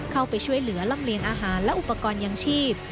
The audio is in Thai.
เข้าไปช่วยเหลือลำเลียงอาหารและอุปกรณ์ยังชีพ